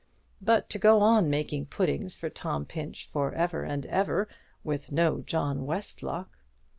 But to go on making puddings for Tom Pinch for ever and ever, with no John Westlock!